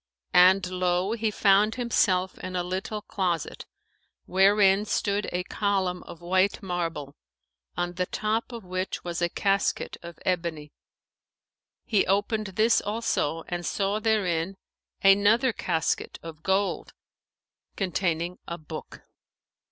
And lo! he found himself in a little closet, wherein stood a column of white marble, on the top of which was a casket of ebony; he opened this also and saw therein another casket of gold, containing a book.